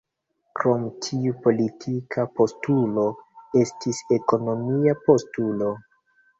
Krom tiu politika postulo, estis ekonomia postulo.